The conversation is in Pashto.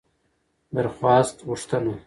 درخواست √غوښتنه